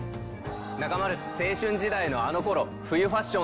中丸、青春時代のあのころ、冬ファッション